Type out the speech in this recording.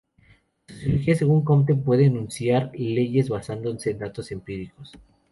La sociología, según Comte, puede enunciar leyes basándose en datos empíricos.